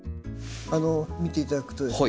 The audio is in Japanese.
見て頂くとですね